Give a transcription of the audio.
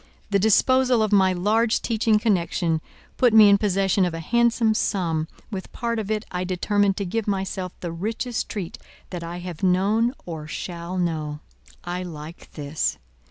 "The disposal of my large teaching connection put me in possession of a handsome sum with part of it I determined to give myself the richest treat that I have known or shall know. I like this.